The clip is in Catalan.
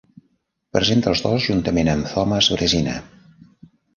Presenta els dos juntament amb Thomas Brezina.